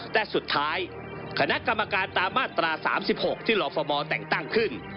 แต่สุดท้ายคณะกรรมการตามมาตรา๓๖ที่ลฟมแต่งตั้งขึ้น